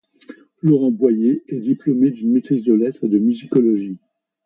Laurent Boyer est diplômé d'une maîtrise de lettres et de musicologie.